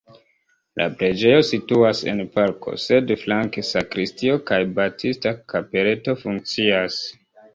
La preĝejo situas en parko, sed flanke sakristio kaj baptista kapeleto funkcias.